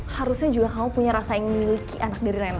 harusnya juga kamu punya rasa yang memiliki anak dari nenek